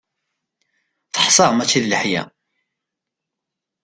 Teḥsa mačči d leḥya.